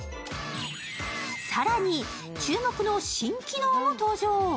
更に注目の新機能も登場。